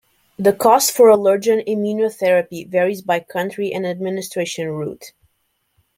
The cost for allergen immunotherapy varies by country and administration route.